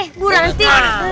eh bu rt paranti